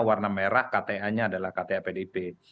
warna merah kta nya adalah kta pdip